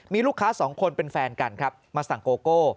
มีลูกค้าสองคนเป็นแฟนกันครับมาสั่งโกโก้